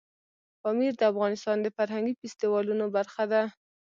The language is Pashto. پامیر د افغانستان د فرهنګي فستیوالونو برخه ده.